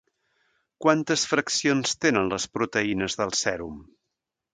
Quantes fraccions tenen les proteïnes del sèrum?